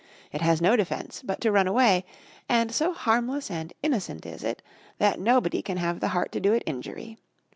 It has no defence, but to run away; and so harmless and innocent is it, that nobody can have the heart to do it injury.